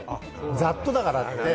ざっとだからって。